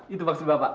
itu maksud bapak